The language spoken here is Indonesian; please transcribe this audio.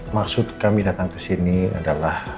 maksud kami datang kesini adalah